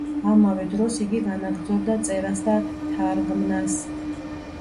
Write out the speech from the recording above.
ამავე დროს იგი განაგრძობდა წერას და თარგმნას.